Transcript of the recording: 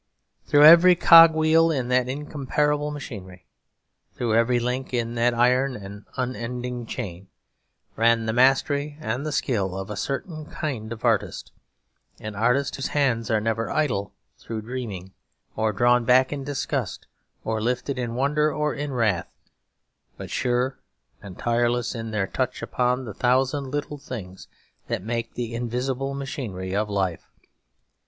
Through every cogwheel in that incomparable machinery, through every link in that iron and unending chain, ran the mastery and the skill of a certain kind of artist; an artist whose hands are never idle through dreaming or drawn back in disgust or lifted in wonder or in wrath; but sure and tireless in their touch upon the thousand little things that make the invisible machinery of life.